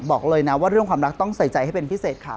บอกเลยนะว่าเรื่องความรักต้องใส่ใจให้เป็นพิเศษค่ะ